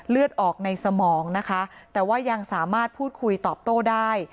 เลือดออกในสมองนะคะแต่ว่ายังสามารถพูดคุยตอบโต้ได้